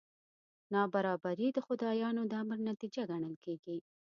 نابرابري د خدایانو د امر نتیجه ګڼل کېږي.